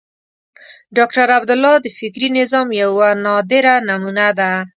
ډاکټر عبدالله د فکري نظام یوه نادره نمونه ده.